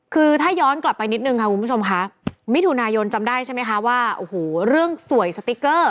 คือถ้าย้อนกลับไปนิดนึงค่ะคุณผู้ชมค่ะมิถุนายนจำได้ใช่ไหมคะว่าโอ้โหเรื่องสวยสติ๊กเกอร์